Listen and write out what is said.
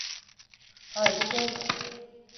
Haydi kes…